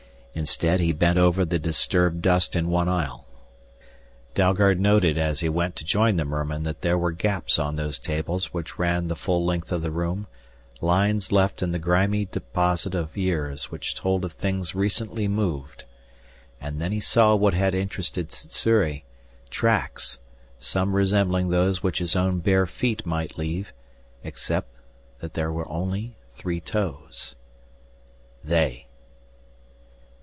Instead he bent over the disturbed dust in one aisle. Dalgard noted as he went to join the merman that there were gaps on those tables which ran the full length of the room, lines left in the grimy deposit of years which told of things recently moved. And then he saw what had interested Sssuri: tracks, some resembling those which his own bare feet might leave, except that there were only three toes! "_They.